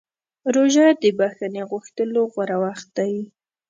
روژه د بښنې غوښتلو غوره وخت دی.